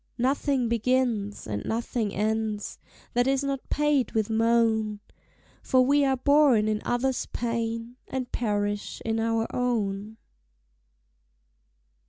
Nothing begins, and nothing ends, That is not paid with moan; For we are born in others' pain, And perish in our own.